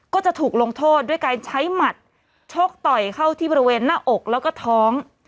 ก็จะถูกลงโทษด้วยการใช้หมัดชกต่อยเข้าที่บริเวณหน้าอกแล้วก็ท้อง